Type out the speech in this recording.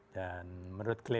dan menurut klien